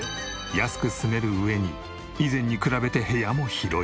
安く住める上に以前に比べて部屋も広い。